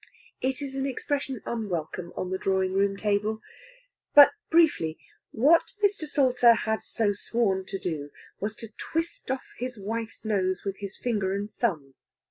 It is an expression unwelcome on the drawing room table. But, briefly, what Mr. Salter had so sworn to do was to twist his wife's nose off with his finger and thumb.